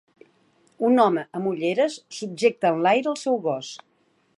Un home amb ulleres subjecte enlaire el seu gos.